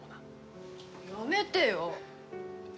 やめてよ！